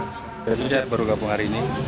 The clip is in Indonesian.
berita tersebut dari pak rizwan barugapung hari ini